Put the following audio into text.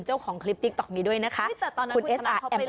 คุณเอสอาร์เขาไปรอดแล้ว